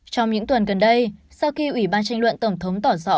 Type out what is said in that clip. trong những tuần gần đây sau khi ủy ban tranh luận tổng thống tỏ rõ